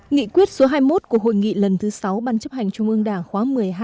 nghị quyết số hai mươi một của hội nghị lần thứ sáu ban chấp hành trung ương đảng khóa một mươi hai